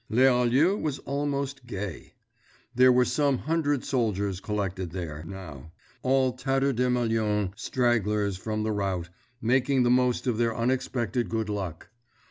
Les Alleux was almost gay. There were some hundred soldiers collected there, now; all tatterdemalion stragglers from the rout, making the most of their unexpected good luck.